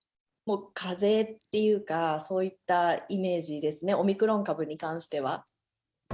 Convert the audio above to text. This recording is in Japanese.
もうかぜっていうか、そういったイメージですね、オミクロン株に関しては。